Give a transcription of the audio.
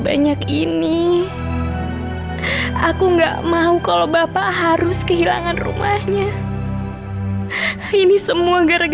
dan kalau saya nggak bisa bayar minggu depan rumah saya akan disita sama oma laras